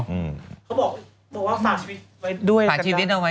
เขาบอกโตด้วย